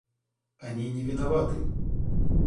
Они не виноваты.